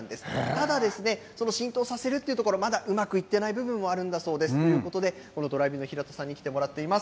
ただですね、その浸透させるというところ、まだ、うまくいっていない部分もあるんだそうです。ということで、このドライブインの平田さんに来ていただいています。